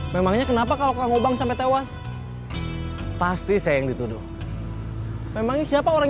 memangnya kenapa kalau kamu bang sampai tewas pasti saya yang dituduh memang siapa orang